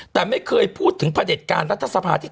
แต่ไม่เคยพูดถึงพระเด็จการรัฐสภาที่